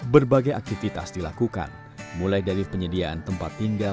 berbagai aktivitas dilakukan mulai dari penyediaan tempat tinggal